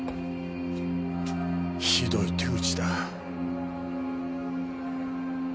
ひどい手口だ。